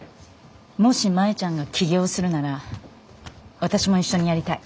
もし舞ちゃんが起業するなら私も一緒にやりたい。